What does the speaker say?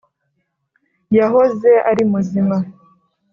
yahoze ari muzima.